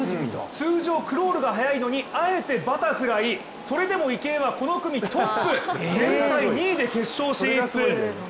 通常クロールが速いのにあえてバタフライ、それでも池江はこの組トップ、全体２位で決勝進出。